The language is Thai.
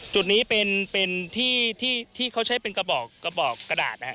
จุดนี้เป็นเป็นที่ที่ที่เขาใช้เป็นกระบอกกระบอกกระดาษนะฮะ